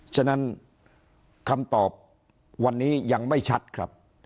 ฉะนั้นคำตอบวันนี้ยังไม่ชัดครับ